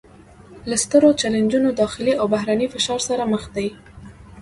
له سترو چلینجونو داخلي او بهرني فشار سره مخ دي